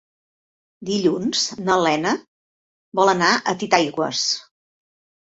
Dilluns na Lena vol anar a Titaigües.